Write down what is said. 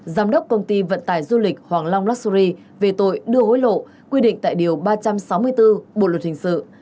giám đốc công ty vận tải du lịch hoàng long luxury về tội đưa hối lộ quy định tại điều ba trăm sáu mươi bốn bộ luật hình sự